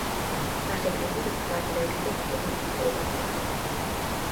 Nach dem Ende des Zweiten Weltkriegs ging er auf Pilgerfahrt.